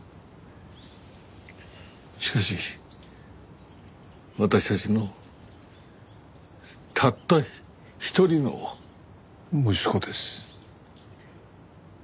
しかし私たちのたった一人の息子です。